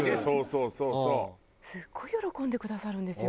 すごい喜んでくださるんですよ